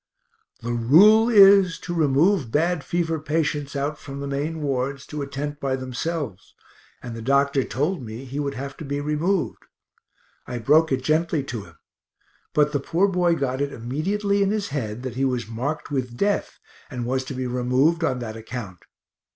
The rule is to remove bad fever patients out from the main wards to a tent by themselves, and the doctor told me he would have to be removed. I broke it gently to him, but the poor boy got it immediately in his head that he was marked with death, and was to be removed on that account.